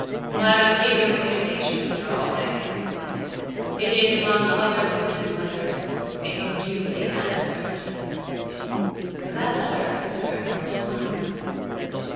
"I received your communication, Mr. Audley," he said. "It is among other business letters: it was duly answered." "That letter concerned your son."